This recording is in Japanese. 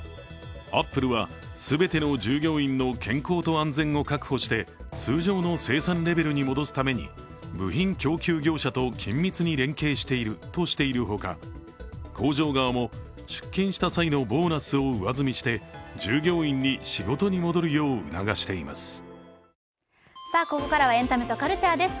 アップルは、全ての従業員の健康と安全を確保して通常の生産レベルに戻すために部品供給業者と緊密に連携しているとしているほか工場側も出勤した際のボーナスを上積みして従業員に仕事に戻るよう促しています。